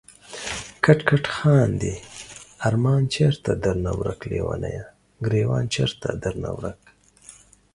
کټ کټ خاندی ارمان چېرته درنه ورک ليونيه، ګريوان چيرته درنه ورک